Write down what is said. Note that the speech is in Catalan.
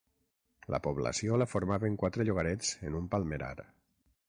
La població la formaven quatre llogarets en un palmerar.